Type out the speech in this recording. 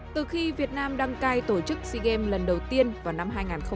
từ khi việt nam đăng cai tổ chức sea games lần đầu tiên vào năm hai nghìn ba